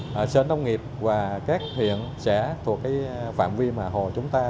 và sở nông nghiệp và các huyện sẽ thuộc phạm vi mà hồ chúng ta